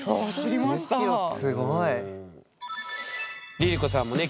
ＬｉＬｉＣｏさんもね